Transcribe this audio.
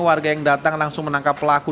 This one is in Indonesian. warga yang datang langsung menangkap pelaku